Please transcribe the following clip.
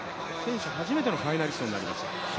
初めての初めてのファイナリストになりました。